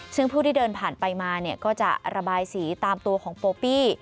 ซึ่งผู้ที่เดินผ่านไปมาเนี่ยก็จะระบายสีตามตัวของโปปี้